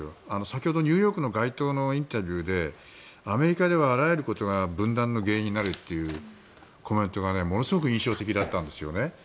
先ほど、ニューヨークの街頭のインタビューでアメリカではあらゆることが分断の原因になるというコメントが、ものすごく印象的だったんですよね。